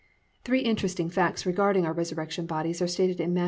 10. Three interesting facts regarding our resurrection bodies are stated in Matt.